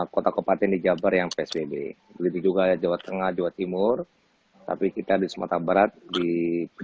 kota kabupaten di jabar yang psbb